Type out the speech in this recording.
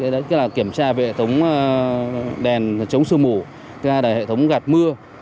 đó là kiểm tra về hệ thống đèn chống sư mổ hệ thống gạt mưa